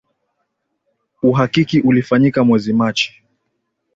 Uhakiki ulifanyika mwezi Machi